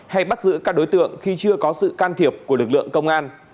hay bắt giữ các đối tượng khi chưa có sự can thiệp của lực lượng công an